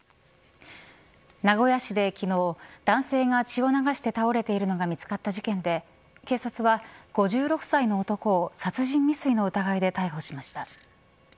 名古屋市で昨日男性が血を流して倒れているのが見つかった事件で警察は５６歳の男を殺人未遂の疑いで逮捕しました。